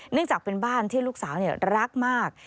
จากเป็นบ้านที่ลูกสาวรักมาก